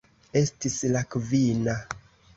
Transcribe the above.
Estis la kvina.